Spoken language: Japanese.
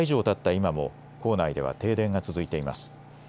今も校内では停電が続いています。